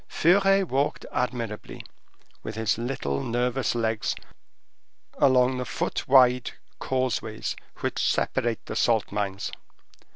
Furet walked admirably, with his little nervous legs, along the foot wide causeways which separate the salt mines.